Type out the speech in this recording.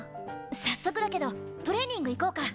早速だけどトレーニング行こうか。